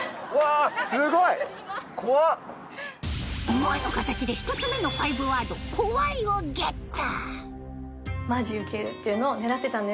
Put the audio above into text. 思わぬ形で１つ目の５ワード「こわい」をゲット